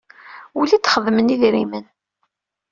Ula i d-xedmen yidrimen.